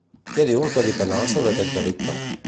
Què diu el Codi Penal sobre aquest delicte?